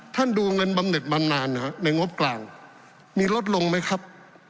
ท่านดูเงินบำเน็ตมานานในงบกลางมีลดลงมั้ยครับ